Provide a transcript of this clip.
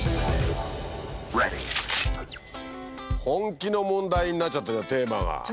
本気の問題になっちゃったじゃんテーマが。